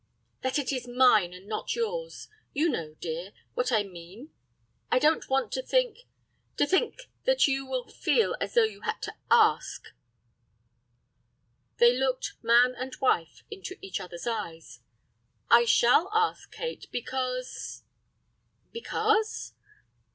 "That it is mine, and not yours. You know, dear, what I mean. I don't want to think—to think that you will feel as though you had to ask." They looked, man and wife, into each other's eyes. "I shall ask, Kate, because—" "Because?"